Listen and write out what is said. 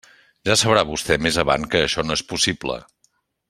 Ja sabrà vostè més avant que això no és possible.